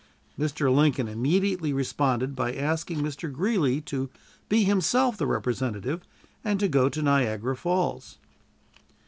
Mr. Lincoln immediately responded by asking Mr. Greeley to be himself the representative and to go to Niagara Falls.